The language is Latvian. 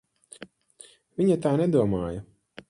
Viņa tā nedomāja.